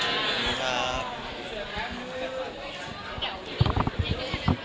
ขอบคุณครับ